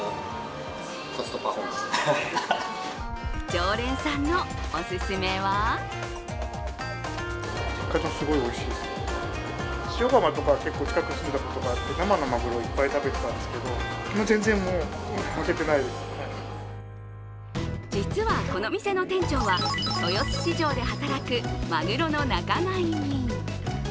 常連さんのおすすめは実はこの店の店長は、豊洲市場で働くまぐろの仲買人。